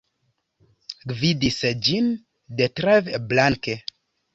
Gvidis ĝin Detlev Blanke.